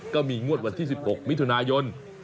ก็มีงวดวันที่๑๖มิถุนายน